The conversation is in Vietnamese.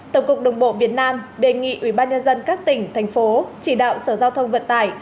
tổng cục đồng bộ việt nam đề nghị ubnd các tỉnh thành phố chỉ đạo sở giao thông vận tải